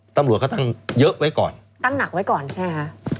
ตำรวจก็ตั้งเยอะไว้ก่อนตั้งหนักไว้ก่อนใช่ไหมคะ